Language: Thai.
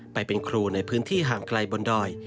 ไปเป็นครูในพื้นที่ห่างไกลบนดอย